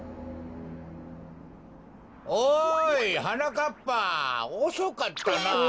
おいはなかっぱおそかったなあ。